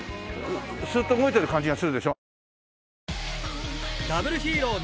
スーッと動いてる感じがするでしょ？